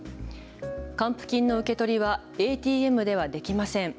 還付金の受け取りはＡＴＭではできません。